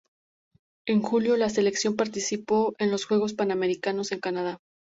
En julio, la selección participó en los Juegos Panamericanos en Canadá.